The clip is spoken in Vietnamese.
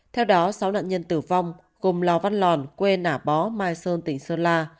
theo đó sáu nạn nhân tử vong gồm lào văn lòn quê nả bó mai sơn tỉnh sơn la